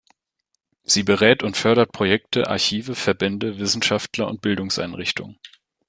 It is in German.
Sie berät und fördert Projekte, Archive, Verbände, Wissenschaftler und Bildungseinrichtungen.